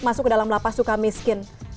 masuk ke dalam lapas suka miskin